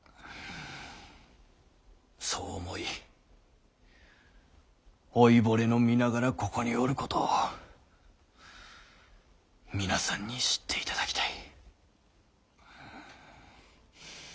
そう思い老いぼれの身ながらここにおることを皆さんに知っていただきたい。